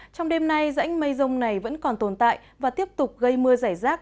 trong đêm nay rãnh mây rông này vẫn còn tồn tại và tiếp tục gây mưa giải rác